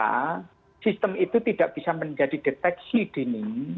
karena sistem itu tidak bisa menjadi deteksi dini